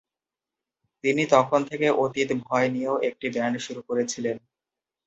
তিনি তখন থেকে অতীত ভয় নিয়েও একটি ব্যান্ড শুরু করেছিলেন!